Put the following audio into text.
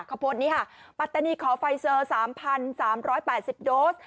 เขาโพสต์นี้ค่ะปัตตานีขอไฟเซอร์๓๓๘๐โดส